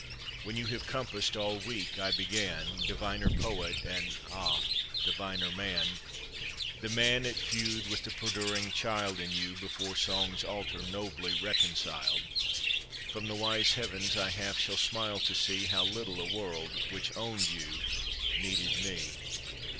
When you have compassed all weak I began, Diviner poet, and ah! diviner man The man at feud with the perduring child In you before song's altar nobly reconciled From the wise heavens I half shall smile to see How little a world, which owned you, needed me.